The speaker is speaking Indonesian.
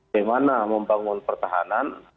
bagaimana membangun pertahanan